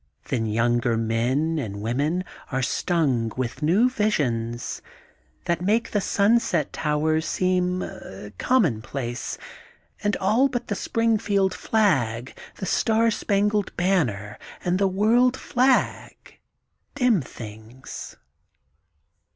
Then yonnger men and women are stnng with new visions, that make the Sunset Towers seem commonplace, and all but the Springfield Flag, the Star Spangled Banner, and the World Flag, dim things.